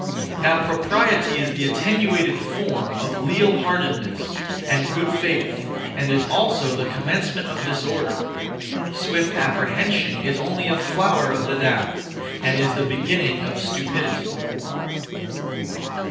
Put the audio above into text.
Now propriety is the attenuated form of leal heartedness and good faith, and is also the commencement of disorder; swift apprehension is (only) a flower of the Tao, and is the beginning of stupidity.